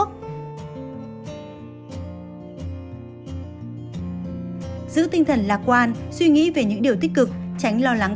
uống từ từ từng ngụm nhỏ và chia đều trong ngày ngay cả khi không khát không uống nhiều nước trước khi đi ngủ